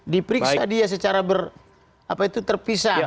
dipriksa dia secara terpisah